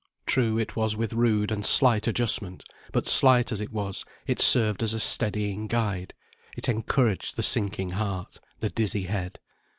True, it was with rude and slight adjustment: but, slight as it was, it served as a steadying guide; it encouraged the sinking heart, the dizzy head.